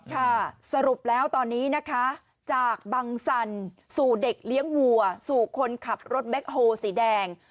ค่ะสรุปแล้วตอนนี้นะคะจากบังสันสู่เด็กเลี้ยงวัวสู่คนขับรถแบ็คโฮสีแดง